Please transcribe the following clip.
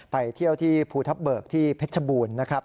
ไปเที่ยวที่ภูทับเบิกที่เพชรบูรณ์นะครับ